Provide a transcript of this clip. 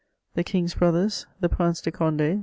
The king's brothers, the Priuce de Conile, M.